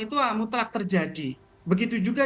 itu mutlak terjadi begitu juga